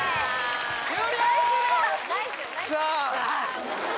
終了！